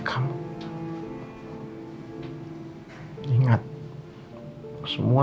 kamu mau jadi perempuan